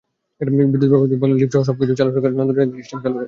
বিদ্যুৎ ব্যবস্থা বন্ধ হলে লিফটসহ সবকিছু চালু রাখার জন্য শক্তিশালী জেনারেটর রয়েছে।